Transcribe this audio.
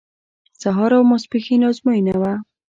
سهار او ماسپښین ازموینه وه.